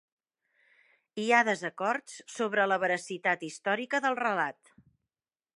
Hi ha desacords sobre la veracitat històrica del relat.